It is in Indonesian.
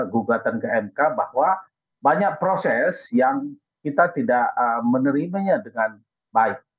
gugatan ke mk bahwa banyak proses yang kita tidak menerimanya dengan baik